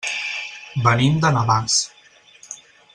Venim de Navàs.